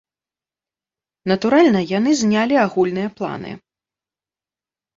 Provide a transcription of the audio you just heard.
Натуральна, яны знялі агульныя планы.